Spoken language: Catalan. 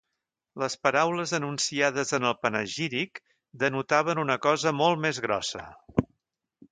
Les paraules enunciades en el panegíric denotaven una cosa molt més grossa